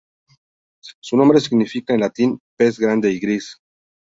Su nombre significa, en latín "pez grande y gris".